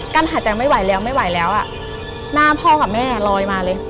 กั้นหาจังไม่ไหวแล้วหน้าพ่อกับแม่ลอยมาเลย